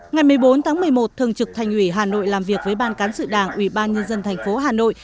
ngày một mươi bốn tháng một mươi một thường trực thành ủy hà nội làm việc với ban cán sự đảng ủy ban nhân dân thành phố hà nội